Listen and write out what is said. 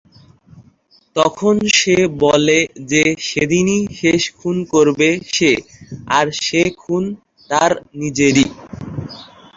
তখন সে বলে যে সেদিনই শেষ খুন করবে সে, আর সে খুন তার নিজেরই।